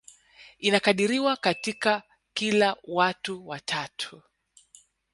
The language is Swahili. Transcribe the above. Inakadiriwa katika kila watu watatu